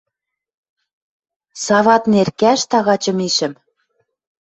Сават неркӓш тагачы мишӹм.